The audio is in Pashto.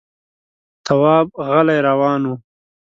تواب غلی روان و.